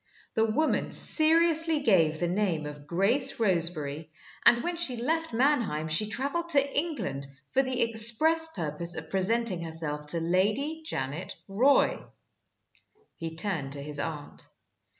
The woman seriously gave the name of Grace Roseberry, and when she left Mannheim she traveled to England for the express purpose of presenting herself to Lady Janet Roy." He turned to his aunt.